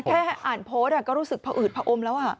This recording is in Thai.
แค่อ่านโพสต์ก็รู้สึกพออืดผอมแล้ว